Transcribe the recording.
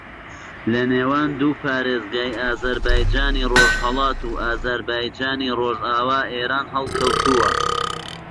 لە نێوان دوو پارێزگای ئازەربایجانی ڕۆژھەڵات و ئازەربایجانی ڕۆژاوای ئێران ھەڵکەوتووە